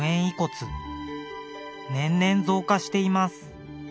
年々増加しています。